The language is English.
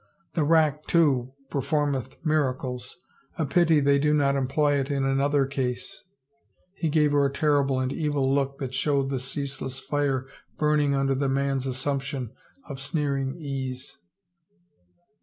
The rack, too, performeth mira cles. A pity they do not employ it in another case." He gave her a terrible and evil look that showed the ceaseless fire burning under the man's assumption of sneering ease.